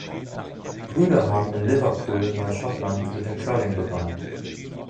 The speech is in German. Brüder haben in Liverpool, Neuschottland, mit dem Curling begonnen.